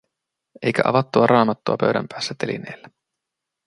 Eikä avattua raamattua pöydän päässä telineellä.